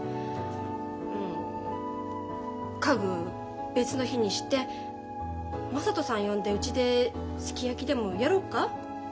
家具別の日にして雅人さん呼んでうちですき焼きでもやろっか？